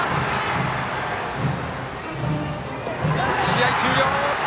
試合終了！